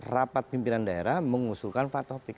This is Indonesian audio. rapat pimpinan daerah mengusulkan pak topik